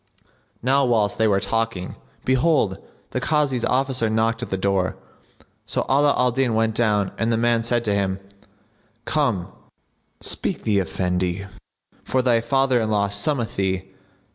Now whilst they were talking, behold, the Kazi's officer knocked at the door; so Ala al Din went down and the man said to him, "Come, speak the Efendi,[FN#67] for thy fatherinlaw summoneth thee."